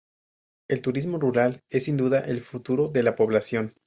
El turismo rural es sin duda el futuro de la población.